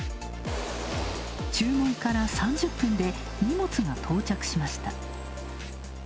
注文から３０分で荷物が到着しました。